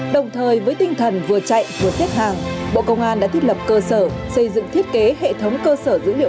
đồng thời với tinh thần vừa chạy vừa xếp hàng bộ công an đã thiết lập cơ sở xây dựng thiết kế hệ thống cơ sở dữ liệu